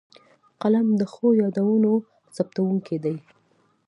قلم د ښو یادونو ثبتوونکی دی